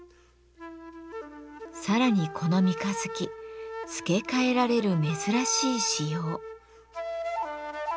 さらにこの三日月付け替えられる珍しい仕様。